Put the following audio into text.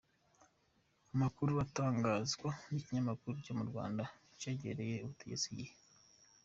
Amakuru atangazwa n'ikinyamakuru co mu Rwanda cegereye ubutegetsi, igihe.